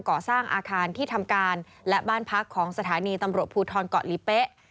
ก่อสร้างอาคารที่ทำการและบ้านพักของสถานีตำรวจภูทรเกาะลิเป๊ะ